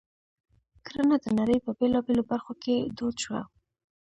کرنه د نړۍ په بېلابېلو برخو کې دود شوه.